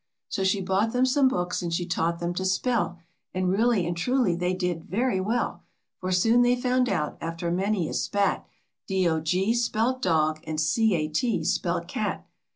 So she bought them some books and she taught them to spell, And really and truly they did very well, For soon they found out, after many a spat, D O G spelt dog, and C A T spelt cat.